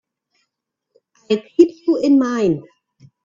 I'll keep you in mind.